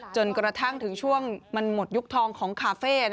จนกระทั่งถึงช่วงมันหมดยุคทองของคาเฟ่